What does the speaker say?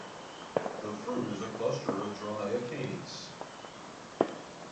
The fruit is a cluster of dry achenes.